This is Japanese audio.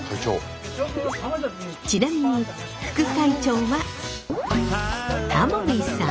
ちなみに副会長はタモリさん！